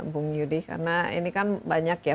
bung yudi karena ini kan banyak ya